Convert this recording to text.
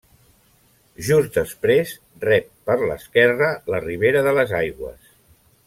Just després, rep per l'esquerra la Ribera de les Aigües.